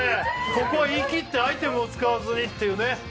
ここは言い切ってアイテムを使わずにっていうね